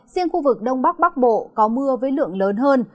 riêng khu vực đông bắc bắc bộ có mưa với lượng lớn hơn